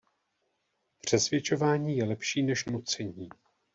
Přesvědčování je lepší než nucení.